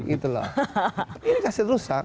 ini kaset rusak